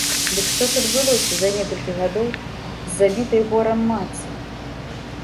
Дык што ж адбылося за некалькі гадоў з забітай горам маці?